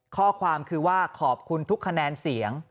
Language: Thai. ข้อความคือว่าขอบคุณทุกคะแนนเสียง